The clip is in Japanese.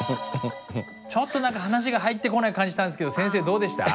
ちょっと何か話が入ってこない感じしたんですけど先生どうでした？